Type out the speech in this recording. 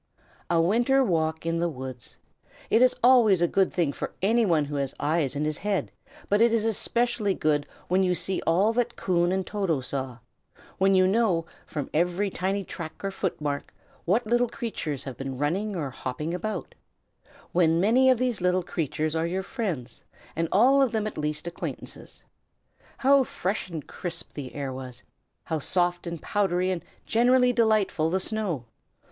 A winter walk in the woods! It is always a good thing for any one who has eyes in his head, but it is especially good when you see all that Coon and Toto saw; when you know, from every tiny track or footmark, what little creatures have been running or hopping about; when many of these little creatures are your friends, and all of them at least acquaintances. How fresh and crisp the air was! how soft and powdery and generally delightful the snow!